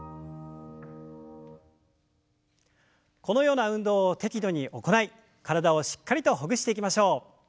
このような運動を適度に行い体をしっかりとほぐしていきましょう。